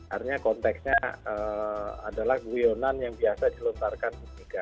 artinya konteksnya adalah guyonan yang biasa dilontarkan ke bumega